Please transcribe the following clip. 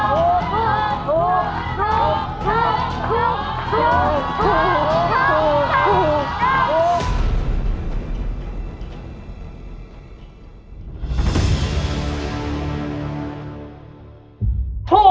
ถูกถูกถูกถูก